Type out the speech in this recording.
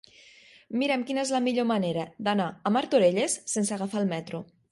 Mira'm quina és la millor manera d'anar a Martorelles sense agafar el metro.